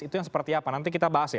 itu yang seperti apa nanti kita bahas ya